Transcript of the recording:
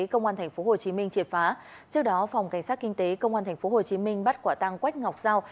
công an tp hcm triệt phá trước đó phòng cảnh sát kinh tế công an tp hcm bắt quả tăng quách ngọc giao